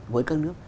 với các nước